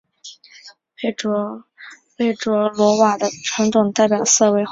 贝卓罗瓦的传统代表色为红色。